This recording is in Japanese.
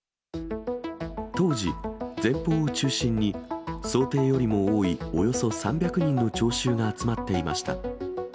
当時、前方を中心に、想定よりも多いおよそ３００人の聴衆が集まっていました。